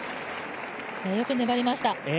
よく粘りました。